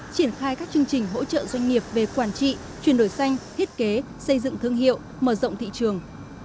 triển khai các chương trình hỗ trợ doanh nghiệp về quản trị chuyển đổi xanh thiết kế xây dựng thương hiệu mở rộng thị trường